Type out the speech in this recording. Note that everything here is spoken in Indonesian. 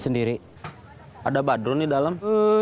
sendiri ada badruni dalam